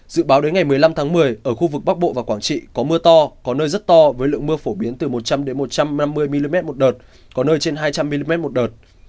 dự báo đến ngày một mươi năm tháng một mươi ở khu vực bắc bộ và quảng trị có mưa to có nơi rất to với lượng mưa phổ biến từ một trăm linh một trăm năm mươi mm một đợt có nơi trên hai trăm linh mm một đợt